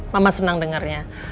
mama senang dengarnya